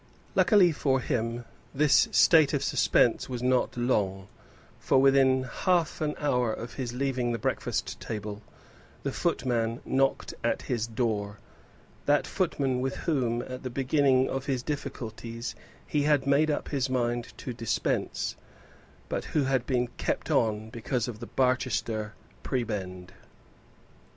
Luckily for him this state of suspense was not long, for within half an hour of his leaving the breakfast table the footman knocked at his door that footman with whom at the beginning of his difficulties he had made up his mind to dispense, but who had been kept on because of the Barchester prebend.